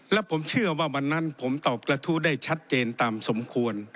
และผมเชื่อว่าวันนั้นผมตอบกระทู้ได้ชัดเจนตามสมควร